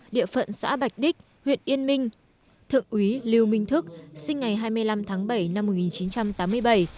địa phận xã bạch đích huyện yên minh thượng úy lưu minh thức sinh ngày hai mươi năm tháng bảy năm một nghìn chín trăm tám mươi bảy